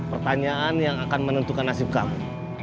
pertanyaan yang akan menentukan nasib kami